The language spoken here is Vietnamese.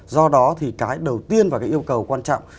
do đó thì cái đầu tiên và cái yêu cầu quan trọng